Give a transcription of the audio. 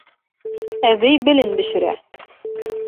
Әбей белен бешерә